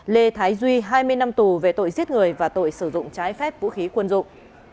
lê thái duy hai mươi năm tù về tội giết người và tội sử dụng trái phép vũ khí quân dụng